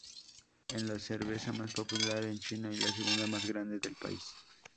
Es la cerveza más popular en China y la segunda más grande del país.